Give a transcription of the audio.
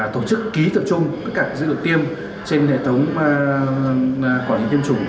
tổ chức ký tập trung tất cả dự đoạn tiêm trên hệ thống quản lý tiêm chủng